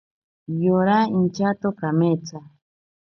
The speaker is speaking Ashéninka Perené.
Yora inchato kametsa.